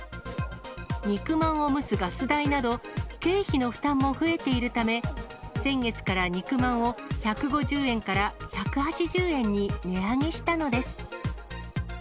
肉まんを蒸すガス代など、経費の負担も増えているため、先月から肉まんを１５０円から１８０円に値上げしたのです。